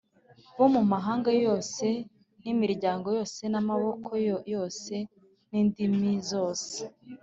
bo mu mahanga yose n’imiryango yose n’amoko yose n’indimi zose,